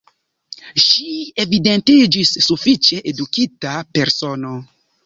Ŝi evidentiĝis sufiĉe edukita persono.